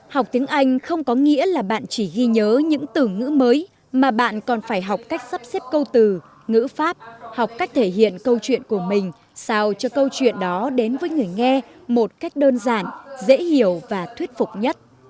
học tiếng anh không có nghĩa là bạn chỉ ghi nhớ những từ ngữ mới mà bạn còn phải học cách sắp xếp câu từ ngữ pháp học cách thể hiện câu chuyện của mình sao cho câu chuyện đó đến với người nghe một cách đơn giản dễ hiểu và thuyết phục nhất